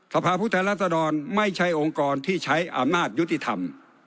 สภาพผู้แทนรัศดรไม่ใช่องค์กรที่ใช้อำนาจยุติธรรม